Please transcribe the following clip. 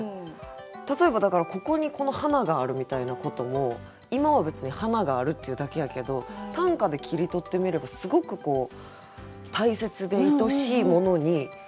例えばだからここにこの花があるみたいなことも今は別に花があるっていうだけやけど短歌で切り取ってみればすごく大切でいとしいものになるかもしれない。